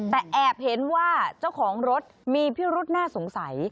แต่แอบเห็นว่าเจ้าของรถมีพิรุษน่าสงสัย